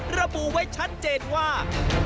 ระบุไว้ชัดเจนว่า